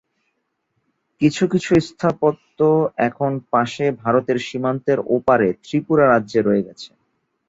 কিছু কিছু স্থাপত্য এখন পাশে ভারতের সীমান্তের ওপারে ত্রিপুরা রাজ্যে রয়ে গেছে।